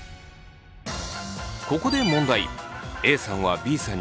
ここで問題。